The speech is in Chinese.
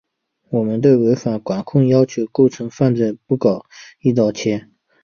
我们对违反管控要求构成犯罪不搞‘一刀切’